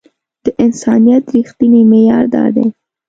د انسانيت رښتينی معيار دا دی.